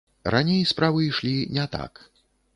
Раней справы ішлі не так.